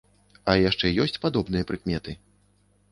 А яшчэ ёсць падобныя прыкметы?